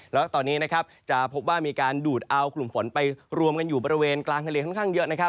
และตอนนี้จะพบว่ามีการดูดอ้าวกลุ่มฝนไปรวมกันอยู่บริเวณกลางทะเลค่อนข้างเยอะ